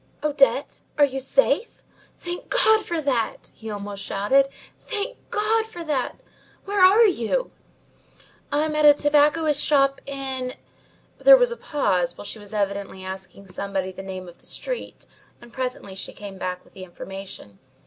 "Odette! Are you safe? Thank God for that!" he almost shouted. "Thank God for that! Where are you?" "I am at a tobacconist's shop in " there was a pause while she was evidently asking somebody the name of the street, and presently she came back with the information.